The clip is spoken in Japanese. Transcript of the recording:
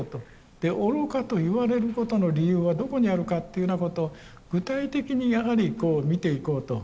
で愚かと言われることの理由はどこにあるかっていうふうなことを具体的にやはり見ていこうということですね。